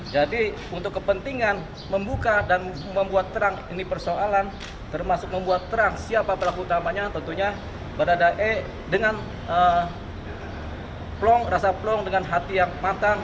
untuk kepentingan membuka dan membuat terang ini persoalan termasuk membuat terang siapa pelaku utamanya tentunya berada e dengan plong rasa plong dengan hati yang matang